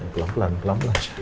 pelan pelan pelan pelan